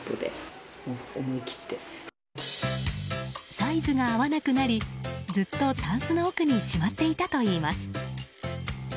サイズが合わなくなりずっとタンスの奥にしまっていたといいます。